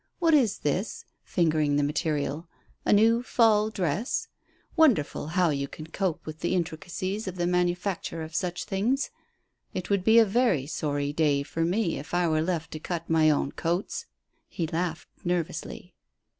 "What is this" fingering the material "a new fall dress? Wonderful how you can cope with the intricacies of the manufacture of such things. It would be a very sorry day for me if I were left to cut my own coats." He laughed nervously.